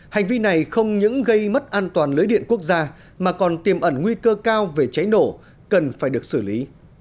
hành vi này không những gây mất an toàn lưới điện quốc gia mà còn tiềm ẩn nguy cơ cao về cháy nổ cần phải được xử lý